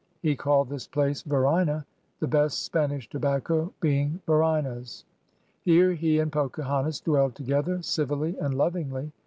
He called this place Varina, the best Spanish tobacco being Varinas. Here he and Pocahontas dwelled together '"civilly and lovingly.